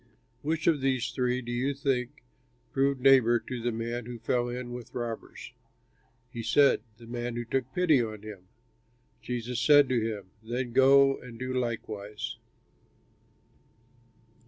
"Which of these three do you think proved neighbor to the man who fell in with robbers?" He said, "The man who took pity on him." Jesus said to him, "Then go and do likewise."